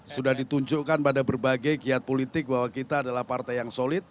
sudah ditunjukkan pada berbagai kiat politik bahwa kita adalah partai yang solid